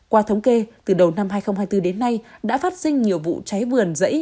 qua thống kê từ đầu năm hai nghìn hai mươi bốn đến nay đã phát sinh nhiều vụ cháy vườn rẫy